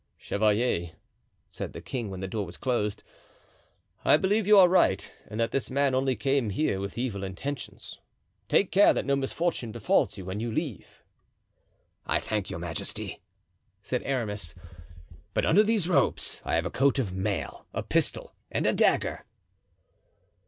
"Chevalier," said the king, when the door was closed, "I believe you are right and that this man only came here with evil intentions. Take care that no misfortune befalls you when you leave." "I thank your majesty," said Aramis, "but under these robes I have a coat of mail, a pistol and a dagger."